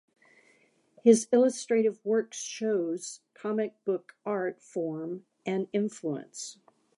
His illustrative work shows comic book art form and influence.